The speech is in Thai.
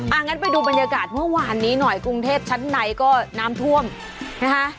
งั้นไปดูบรรยากาศเมื่อวานนี้หน่อยกรุงเทพชั้นในก็น้ำท่วมนะคะ